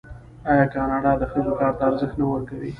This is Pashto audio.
آیا کاناډا د ښځو کار ته ارزښت نه ورکوي؟